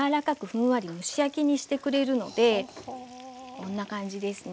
こんな感じですね。